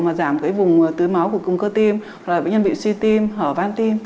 mà giảm cái vùng tưới máu của cung cơ tim hoặc là bệnh nhân bị suy tim hở van tim